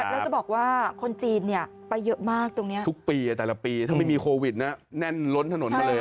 แล้วจะบอกว่าคนจีนเนี่ยไปเยอะมากตรงนี้ทุกปีแต่ละปีถ้าไม่มีโควิดนะแน่นล้นถนนมาเลย